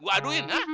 gua aduin ya